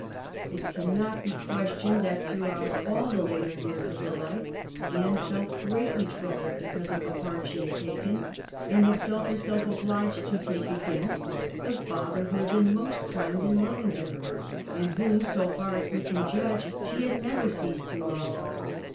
It cannot be questioned that throughout all the later years of her life Anne felt greatly troubled because of the part she had taken and had felt herself obliged to take against the father who had been most kind and loving to her and whom, so far as we can judge, she had never ceased to love.